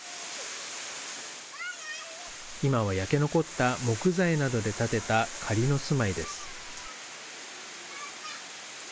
今は焼け残った木材などで建てた仮の住まいです。